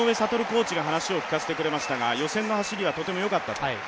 コーチが話を聞かせてくれましたが予選の走りはとてもよかったと。